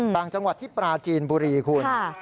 ต่างจังหวัดที่ปราจีนบุรีคุณ